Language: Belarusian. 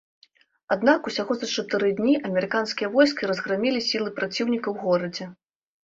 Аднак усяго за чатыры дні амерыканскія войскі разграмілі сілы праціўніка ў горадзе.